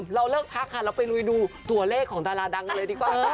เราเริ่มพักค่ะไปลุยดูตัวเลขของตลาดังเลย